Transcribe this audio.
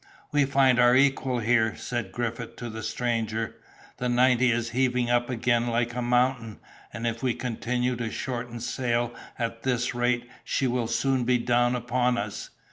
"We find our equal here!" said Griffith to the stranger. "The ninety is heaving up again like a mountain; and if we continue to shorten sail at this rate, she will soon be down upon us!"